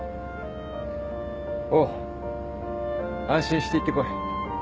おう安心して行ってこい。